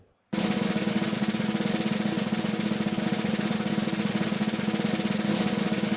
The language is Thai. จัดสีบด้วยครับจัดสีบด้วยครับ